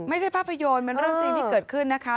ภาพยนตร์มันเรื่องจริงที่เกิดขึ้นนะคะ